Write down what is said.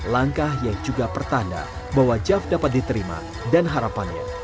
langkah yang juga pertanda bahwa jav dapat diterima dan harapannya